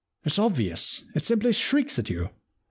It's obvious. It simply shrieks at you.